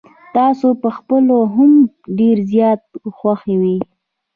تاسو په خپله هم ډير زيات خوښ وې.